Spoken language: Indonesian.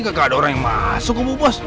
gak ada orang yang masuk ke bu bos